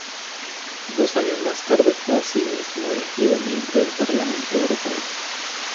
Dos años más tarde fue asimismo elegido miembro del Parlamento Europeo.